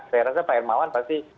saya rasa pak hermawan pasti